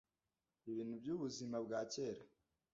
Ibintu byubuzima bwa kera